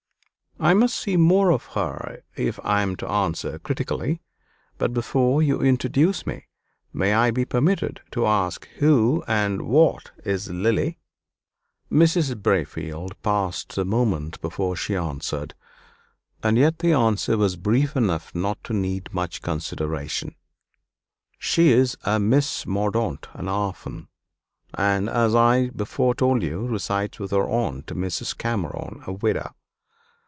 "I must see more of her if I am to answer critically; but before you introduce me, may I be permitted to ask who and what is Lily?" Mrs. Braefield paused a moment before she answered, and yet the answer was brief enough not to need much consideration She is a Miss Mordaunt, an orphan; and as I before told you, resides with her aunt, Mrs. Cameron, a widow.